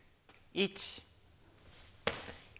１。